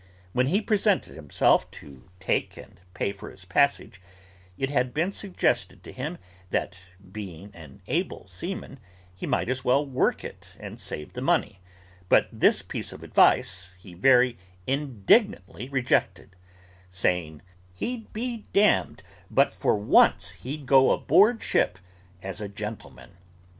When he presented himself to take and pay for his passage, it had been suggested to him that being an able seaman he might as well work it and save the money, but this piece of advice he very indignantly rejected: saying, 'He'd be damned but for once he'd go aboard ship, as a gentleman.